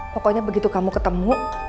pokoknya begitu kamu ketemu